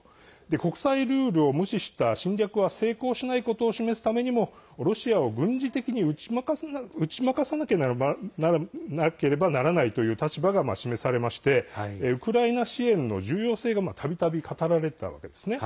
国際ルールを無視した侵略は成功しないことを示すためにもロシアを軍事的に打ち負かさなければならないという立場が示されましてウクライナ支援の重要性がたびたび語られていたわけですね。